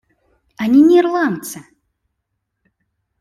Они не ирландцы.